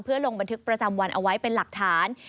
ลงบันทึกประจำวันเอาไว้เป็นหลักฐาน